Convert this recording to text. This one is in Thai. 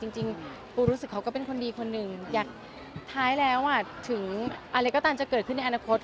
จริงปูรู้สึกเขาก็เป็นคนดีคนหนึ่งอยากท้ายแล้วถึงอะไรก็ตามจะเกิดขึ้นในอนาคต